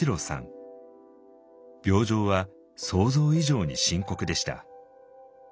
病状は想像以上に深刻でした。